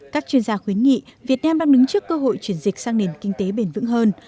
các chuyên gia khuyến nghị việt nam đang đứng trước cơ hội chuyển dịch sang nền kinh tế bền vững hơn